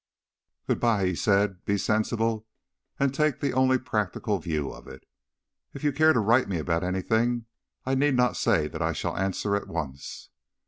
"Good bye," he said. "Be sensible and take the only practical view of it. If you care to write to me about anything, I need not say that I shall answer at once."